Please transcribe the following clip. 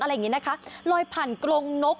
อย่างนี้นะคะลอยผ่านกรงนก